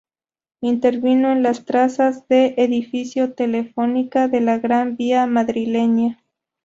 Intervino en las trazas del Edificio Telefónica de la Gran Vía madrileña.